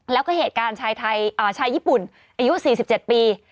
แล้วก็เหตุการณ์ชายญี่ปุ่นอายุ๔๗ปี